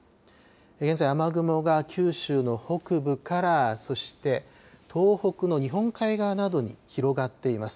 現在雨雲が九州の北部から、そして、東北の日本海側などに広がっています。